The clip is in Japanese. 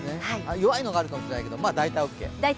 弱いのがあるかもしれないけど大体オッケー。